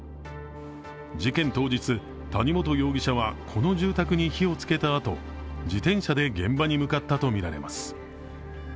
事件当日、谷本容疑者はこの住宅に火を付けたあと自転車で現場に向かったとみられます。